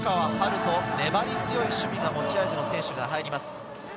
大、粘り強い守備が持ち味の選手です。